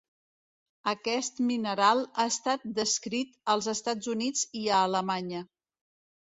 Aquest mineral ha estat descrit als Estats Units i a Alemanya.